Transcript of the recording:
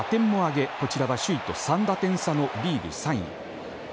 打点も挙げ、こちらは首位と３打点差のリーグ３位。